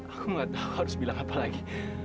aku gak tahu harus bilang apa lagi